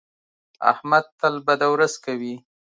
احمد تل بده ورځ کوي.